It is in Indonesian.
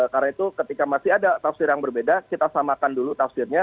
karena itu ketika masih ada tafsir yang berbeda kita samakan dulu tafsirnya